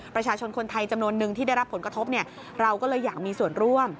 ประชาชนคนไทยจำนวนนึงที่ได้รับผลกระทบเราก็เลยอยากมีส่วนร่วม